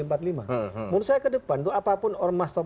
menurut saya ke depan apapun ormastop